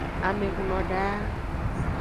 Ame hunno da.